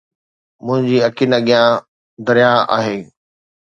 منهنجي اکين اڳيان درياهه آهي